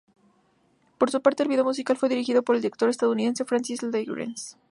Por su parte, el vídeo musical fue dirigido por el director estadounidense Francis Lawrence.